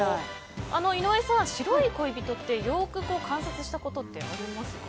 井上さん、白い恋人ってよく観察したことありますか？